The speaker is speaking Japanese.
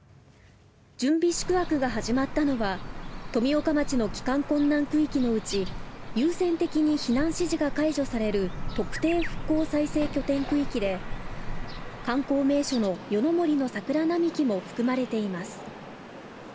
準備宿泊が始まったのは富岡町の帰還困難区域のうち優先的に避難指示が解除される特定復興再生拠点区域で観光名所の夜の森の桜並木も含まれています。